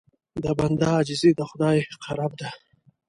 د بنده عاجزي د خدای قرب ده.